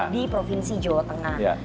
di provinsi jawa tengah